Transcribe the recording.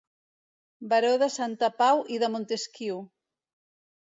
Baró de Santa Pau i de Montesquiu.